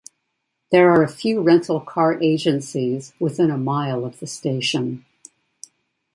There are a few rental car agencies within a mile of the station.